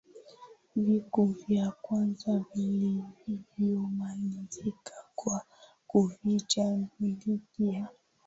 vikuu vya kwanza vilivyomalizika kwa kuvunja Milki ya